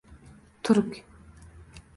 turk